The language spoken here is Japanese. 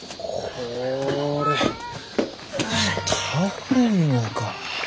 これ倒れんろうか？